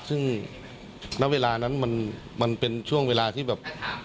ซึ่งณเวลานั้นมันเป็นช่วงเวลาที่แบบ